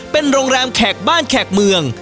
เป็นโรงแรมแขกบ้านแขกเมือง